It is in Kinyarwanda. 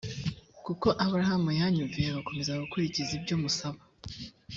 kuko aburahamu yanyumviye agakomeza gukurikiza ibyo musaba